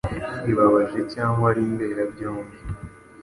ibabaje cyangwa ari mberabyombi.